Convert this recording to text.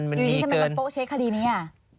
อยู่ที่นี่ทำไมมันโป๊ะเช็คคดีนี้อะ